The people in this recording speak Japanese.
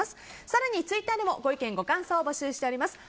更にツイッターにもご意見、ご感想を募集しております。